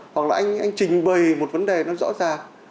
hoặc là anh trình bày một vấn đề nó rõ ràng